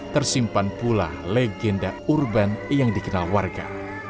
tersimpan pula legenda urban yang dikenal warga